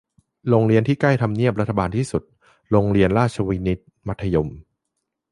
โรงเรียนที่ใกล้ทำเนียบรัฐบาลที่สุด - โรงเรียนราชวินิต มัธยม